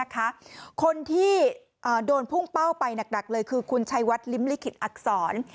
คนที่โดนพุ่งเป้าไปหนักเลยคือคุณชัยวัดลิ้มลิขิตอักษร